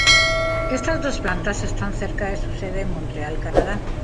Estas dos plantas están cerca de su sede en Montreal, Canadá.